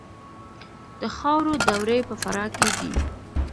د خاورو دوړې په فراه کې دي